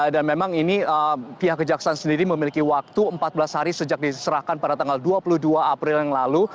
dan memang ini pihak kejahasan sendiri memiliki waktu empat belas hari sejak diserahkan pada tanggal dua puluh dua april yang lalu